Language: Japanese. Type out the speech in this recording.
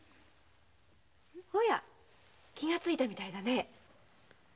おや気がついたみたいだね。